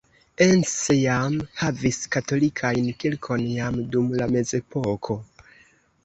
Encs jam havis katolikajn kirkon jam dum la mezepoko.